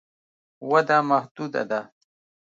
وده محدوده ده.